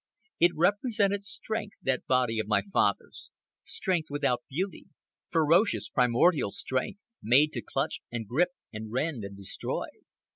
It represented strength, that body of my father's, strength without beauty; ferocious, primordial strength, made to clutch and gripe and rend and destroy.